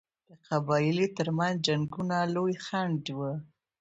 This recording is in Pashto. د قبایلو ترمنځ جنګونه لوی خنډ وو.